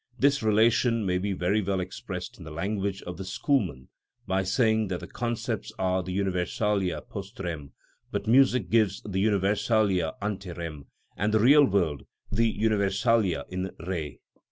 This relation may be very well expressed in the language of the schoolmen by saying the concepts are the universalia post rem, but music gives the universalia ante rem, and the real world the universalia in re.